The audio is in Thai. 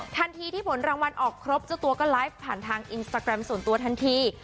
ทันทีที่ผลรางวัลออกครบเจ้าตัวก็ไลฟ์ผ่านทางอินสตาแกรมส่วนตัวทันที